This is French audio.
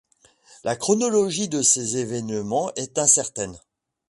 La chronologie de ces événements est incertaine.